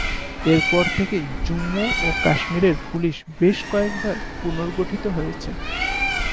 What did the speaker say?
এরপর থেকেই জম্মু ও কাশ্মীরের পুলিশ বেশ কয়েকবার পুনর্গঠিত হয়েছে।